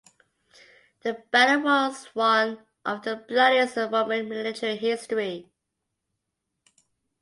The battle was one of the bloodiest in Roman military history.